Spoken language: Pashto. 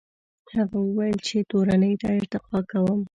هغه وویل چې تورنۍ ته ارتقا کوم.